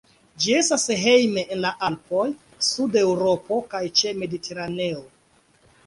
Ĝi estas hejme en la Alpoj, Sud-Eŭropo kaj ĉe Mediteraneo.